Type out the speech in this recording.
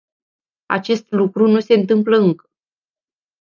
Acest lucru nu se întâmplă încă.